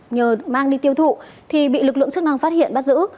nhờ mang đi tiêu thụ thì bị lực lượng chức năng phát hiện bắt giữ